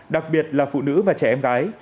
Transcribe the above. đặc biệt là phụ nữ và trẻ em gái